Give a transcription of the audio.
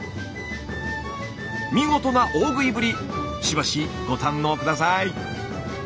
見事な大食いぶりしばしご堪能下さい。